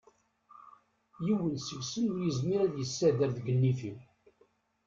Yiwen seg-sen ur yezmir ad yesader deg nnif-iw.